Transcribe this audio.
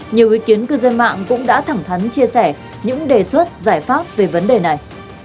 nhiều ý kiến cư dân mạng cũng đã thẳng thắn chia sẻ những đề xuất giải pháp về vấn đề này